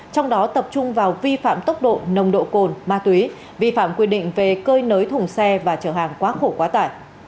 trong đó tập trung vào vi phạm tốc độ nồng độ cồn ma túy vi phạm quy định về cơi nới thùng xe và chở hàng quá khổ quá tải